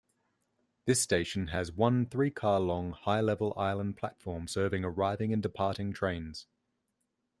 This station has one three-car-long high-level island platform serving arriving and departing trains.